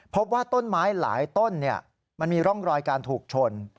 พบว่าต้นไม้หลายต้นมันมีร่องรอยการถูกชน